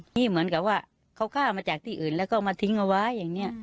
นี่เหมือนกับว่าเขาฆ่ามาจากที่อื่นแล้วก็มาทิ้งเอาไว้อย่างนี้